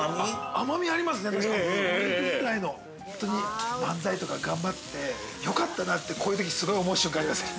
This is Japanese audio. ◆甘みありますね、漫才とか頑張ってよかったなって、こういうときすごい思う瞬間、ありません？